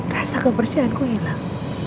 rasa kebersihan ku hilang